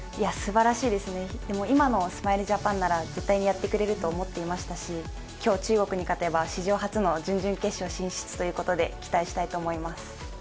すばらしいですね、今のスマイルジャパンなら絶対にやってくれると思っていましたし、今日、中国に勝てば史上初の準々決勝進出ということで期待したいと思います。